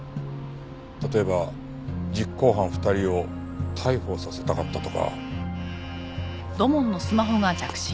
例えば実行犯２人を逮捕させたかったとか。